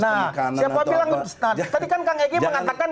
nah siapa bilang tadi kan kang egy mengatakan